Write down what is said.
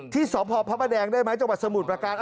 ที่สพพระประแดงได้ไหมจังหวัดสมุทรประการ